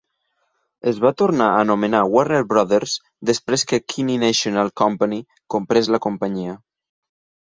Es va tornar a anomenar Warner Brothers després que Kinney National Company comprés la companyia.